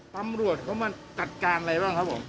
ตำรวจเขามาจัดการอะไรบ้างครับผม